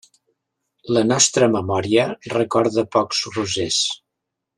La nostra memòria recorda pocs rosers.